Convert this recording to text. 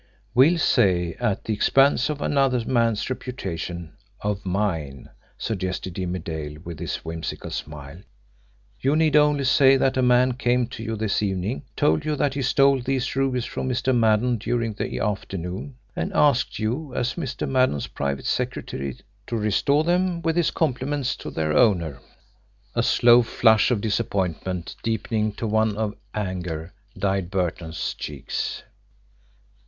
"Well, say at the expense of another man's reputation of mine," suggested Jimmie Dale, with his whimsical smile. "You need only say that a man came to you this evening, told you that he stole these rubies from Mr. Maddon during the afternoon, and asked you, as Mr. Maddon's private secretary, to restore them with his compliments to their owner." A slow flush of disappointment, deepening to one of anger dyed Burton's cheeks.